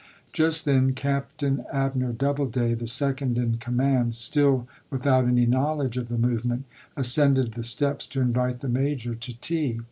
Just then Captain Abner Doubleday, the second in command, still with out any knowledge of the movement, ascended the steps to invite the Major to tea.